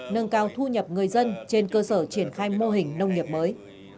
nâng cao thu nhập người dân trên cơ sở triển khai mô hình nông nghiệp mới